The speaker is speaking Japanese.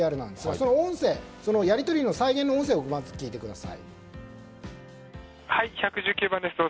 その音声、やり取りの再現の音声聞いてください。